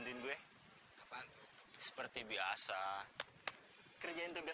dan aku sendiri kan